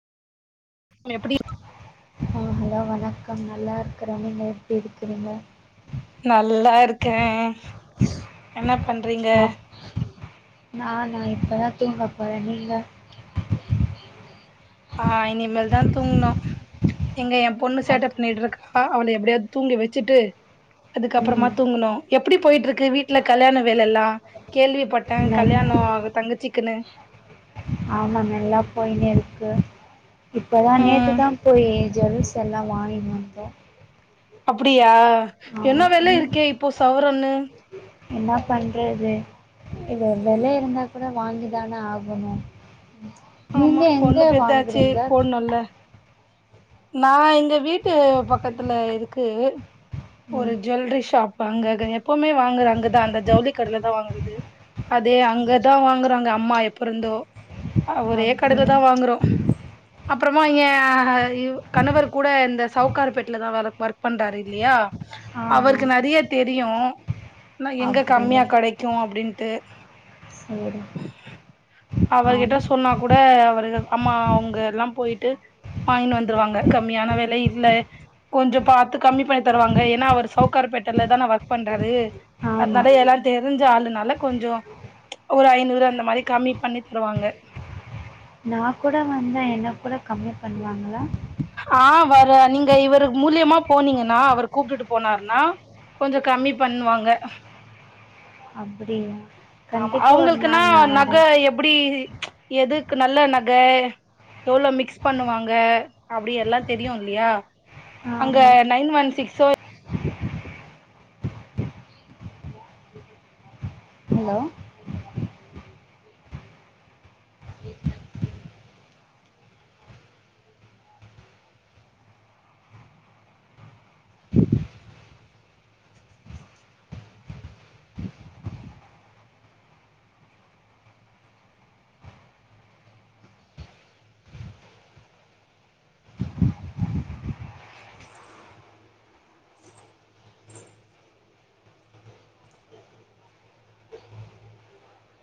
எப்டி ஆ ஹலோ வணக்கம் நல்லா இருக்கறே நீங்க எப்டி இருக்குறீங்க நல்லாருக்கே என்ன பண்றீங்க நானா இப்பதா தூங்கப் போறே நீங்க ஆ இனி மேல் தா தூங்கணு இங்க என் பொண்ணு அப் சேட்ட பண்ணிட்ருக்கா அவள எப்டியாவது தூங்க வச்சுட்டு அதுக்கப்புறமா ம் தூங்கணு எப்டி போய்ட்ருக்கு வீட்ல கல்யாண வேலல்லா கேள்விப்பட் டே நன் கல்யாணோ அவ தங்கச்சிக்குன்னு ஆமா நல்லா போயினுருக்கு இப்போதா நேத்து ம் தா போய் ஜுவல்ஸ் எல்லா வாங்கினு வந்தோ அப்டியா என்ன வெல இருக்கே இப்போ சவரனு என்னா பண்றது இது வெலே இருந்தா கூட வாங்கி தான ஆகணு நீங்க ஆமா எங்க பொண்ணு பெத்தாச்சு வாங்குறீங்க போடணுல்ல நா எங்க வீட்டு பக்கத்துல இருக்கு ஒரு ம் ஜுவல்லரி ஷாப் வாங்கது எப்பமே வாங்கறது அங்கதா அந்த ஜவுளி கடைல தா வாங்குது அதே அங்கதா வாங்குறாங்க அம்மா எப்பருந்தோ ஒரே அப்படி கடைல தா வாங்குறோ அப்புறமா இங்க கணவர் கூட இந்த சவுக்கார் பேட்ல தா வேல ஒர்க் பண்றாரு இல்லையா அவருக்கு ஆமாம் நெறைய தெரியு ஆனா எங்க அப்படியா கம்மியா கெடைக்கு அப்டின்ட்டு சரி அவர்கிட்ட ஆமாம் சொன்னா கூட அவரு அம்மா அவுங்க எல்லா போயிட்டு வாங்கினு வந்து ருவாங்க கம்மியான வெல இல்ல கொஞ்சோ பாத்து கம்மி பண்ணி தருவாங்க ஏன்னா அவர் சவுக்கார் பேட்டல தான ஒர்க் பண்றாரு ஆமாம் அதனால எல்லாரு தெரிஞ்ச ஆளுனால கொஞ்சோ ஒரு ஐநூறு அந்த மாரி கம்மி பண்ணித் தருவாங்க நா கூட வந்தா எனக் கூட கம்மி பண்ணுவாங்களா ஆ வர நீங்க இவரு மூலியமா போனீங்கன்னா அவரு கூப்ட்டுட்டு போனாருனா கொஞ்சோ கம்மி பண்ணுவாங்க அப்படியா ஆமா கண்டிப்பாக ஒரு அவுங்களுக்குனா நாள் நான் நக வரேன் எப்டி எதுக்கு நல்ல நக எவ்ளோ மிக்ஸ் பண்ணுவாங்க அப்டி எல்லா தெரியுல்லையா அங்க ஆமாம் நைன் ஒன் சிக்ஸோ ஹலோ